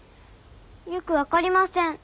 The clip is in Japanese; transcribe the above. よく分かりません。